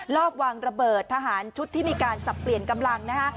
รอบวางระเบิดทหารชุดที่มีการจับเปลี่ยนกำลังนะฮะ